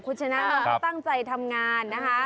คุณชนะตั้งใจทำงานนะคะ